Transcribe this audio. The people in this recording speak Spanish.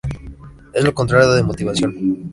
Es lo contrario de motivación.